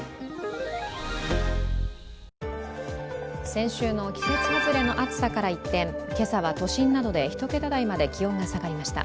先週の季節外れの暑さから一転、今朝は都心などで１桁台まで気温が下がりました。